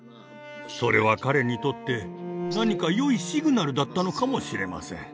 それは彼にとって何かよいシグナルだったのかもしれません。